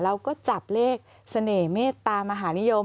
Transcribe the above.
เราก็จับเลขเสน่ห์เมตตามหานิยม